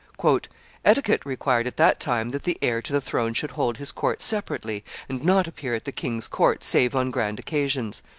"Etiquette required at that time that the heir to the throne should hold his court separately, and not appear at the king's court save on grand occasions.